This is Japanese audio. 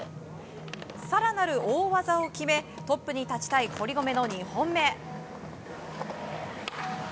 更なる大技を決めトップに立ちたい堀米の２本目。